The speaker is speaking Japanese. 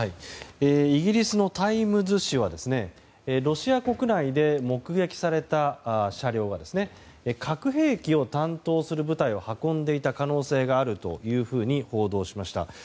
イギリスのタイムズ紙はロシア国内で目撃された車両が核兵器を担当する部隊を運んでいた可能性があると報道しました。